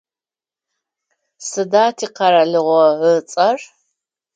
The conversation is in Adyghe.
Сыда тикъэралыгъо ыцӏэр?